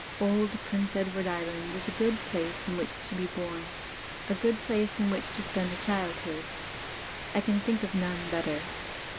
"Old Prince Edward Island" is a good place in which to be bom a good place in which to spend a child hood. I can think of none better.